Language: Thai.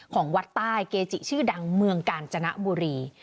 ของวัดใต้เกจิชื่อดังเมืองกาญจนบุรี